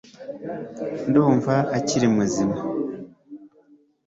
ndumva akiri muzima